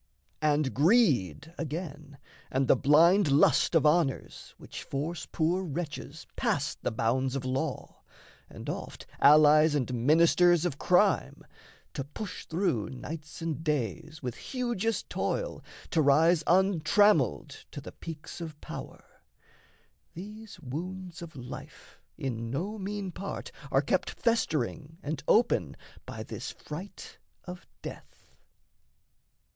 And greed, again, and the blind lust of honours Which force poor wretches past the bounds of law, And, oft allies and ministers of crime, To push through nights and days with hugest toil To rise untrammelled to the peaks of power These wounds of life in no mean part are kept Festering and open by this fright of death.